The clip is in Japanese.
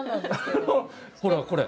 ほらこれ。